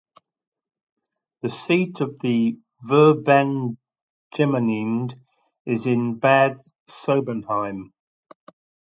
The seat of the "Verbandsgemeinde" is in Bad Sobernheim.